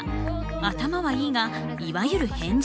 頭はいいがいわゆる変人。